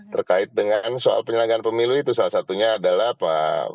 terkait dengan soal penyelenggaraan pemilu itu salah satunya adalah pak